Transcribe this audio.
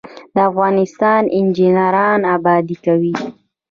د افغانستان انجنیران ابادي کوي